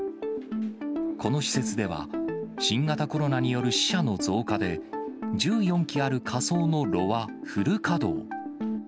この施設では、新型コロナによる死者の増加で、１４基ある火葬の炉はフル稼働。